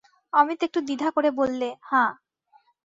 অমিত একটু দ্বিধা করে বললে, হাঁ।